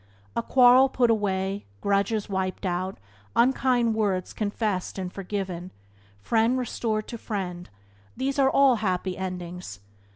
A quarrel put away, grudges wiped out, unkind words confessed and forgiven, friend restored to friend — all these are happy endings.